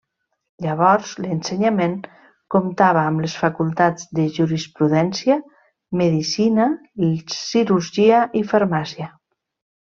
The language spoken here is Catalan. Llavors l'ensenyament comptava amb les facultats de Jurisprudència, Medicina, Cirurgia i Farmàcia.